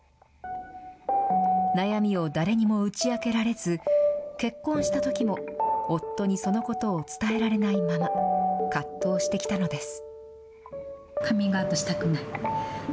悩みを誰にも打ち明けられず、結婚したときも、夫にそのことを伝えられないまま、葛藤してきたのです。